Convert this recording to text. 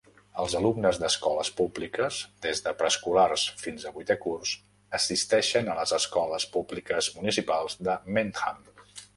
Els alumnes d'escoles públiques des de preescolar fins a vuitè curs assisteixen a les escoles públiques municipals de Mendham.